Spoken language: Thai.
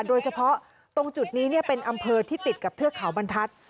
โดยเฉพาะตรงจุดนี้เป็นอำเภอที่ติดกับเทือกเขาบรรทัศน์